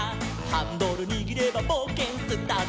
「ハンドルにぎればぼうけんスタート！」